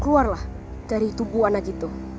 keluarlah dari tubuh anak itu